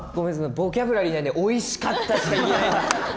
ボキャブラリーがないのでおいしかったとしか言えない